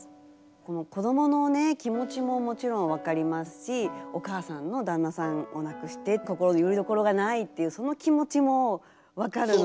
この子どものね気持ちももちろん分かりますしお母さんの旦那さんを亡くして心のよりどころがないっていうその気持ちも分かるので。